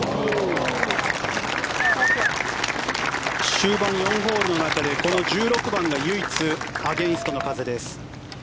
終盤４ホールの中で１６番が唯一、アゲンストの風です。